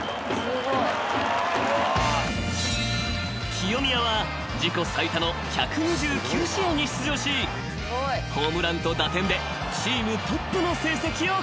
［清宮は自己最多の１２９試合に出場しホームランと打点でチームトップの成績を記録］